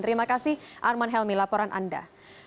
terima kasih arman helmi laporan anda